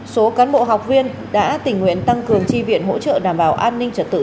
số cán bộ học viên đã tình nguyện tăng cường tri viện hỗ trợ đảm bảo an ninh trật tự